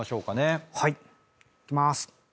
いきます。